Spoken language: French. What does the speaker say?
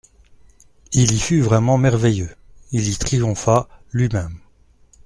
Il y fut vraiment merveilleux, il y triompha lui-même.